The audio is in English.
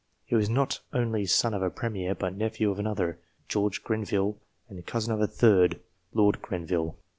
He was not only son of a premier, but nephew of another, George Grenville, and cousin of a third, Lord Grenville.